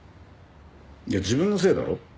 いや自分のせいだろ。